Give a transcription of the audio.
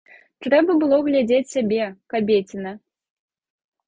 Трэба было глядзець сябе, кабеціна.